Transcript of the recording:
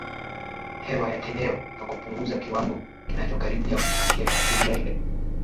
hewa ya eneo na kupunguza kiwango kinachokaribia kufikia kilele